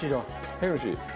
ヘルシー。